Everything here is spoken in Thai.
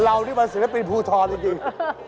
เราที่วันนี้เป็นศิลปินภูทอมจริง